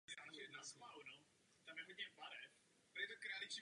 Ještě jednu poznámku ke kolegovi Tannockovi.